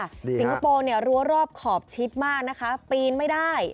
สิงคโปร์เนี่ยรั้วรอบขอบชิดมากนะคะปีนไม่ได้